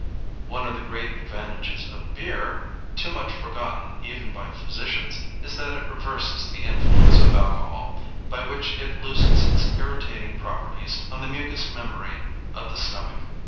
One of the great advantages of beer, too much forgotten even by physicians, is that it reverses the influence of alcohol, by which it loses its irritating properties on the mucous membrane of the stomach.